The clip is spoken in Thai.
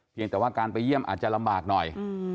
แต่ว่าการไปเยี่ยมอาจจะลำบากหน่อย